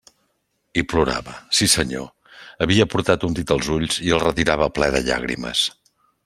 I plorava, sí senyor; havia portat un dit als ulls i el retirava ple de llàgrimes.